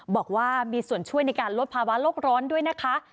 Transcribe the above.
บอกว่ามีส่วนช่วยในการลดภาวะโลกร้อนด้วยนะคะ